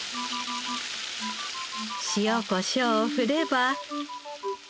塩コショウを振れば。